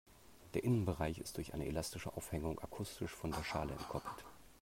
Der Innenbereich ist durch eine elastische Aufhängung akustisch von der Schale entkoppelt.